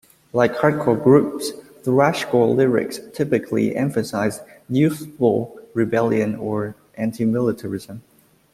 Like hardcore groups, thrashcore lyrics typically emphasize youthful rebellion or antimilitarism.